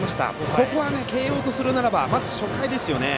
ここは慶応とするならまず初回ですよね。